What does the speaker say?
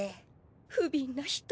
ふびんな人。